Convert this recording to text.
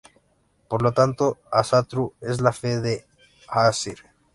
Por lo tanto, Ásatrú es la "Fe a los Æsir".